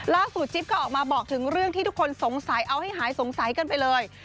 จิ๊บก็ออกมาบอกถึงเรื่องที่ทุกคนสงสัยเอาให้หายสงสัยกันไปเลย